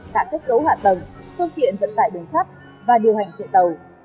tại kết cấu hạ tầng phương tiện vận tải đường sắt và điều hành chạy tàu